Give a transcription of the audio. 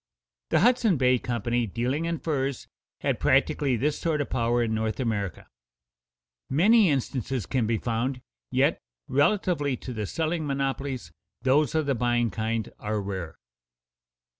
The Hudson Bay Company, dealing in furs, had practically this sort of power in North America. Many instances can be found, yet, relatively to the selling monopolies, those of the buying kind are rare.